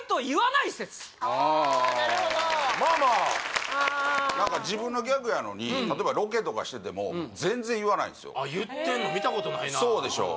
なるほどまあまあ何か自分のギャグやのに例えばロケとかしてても全然言わないんすよあっ言ってんの見たことないなそうでしょう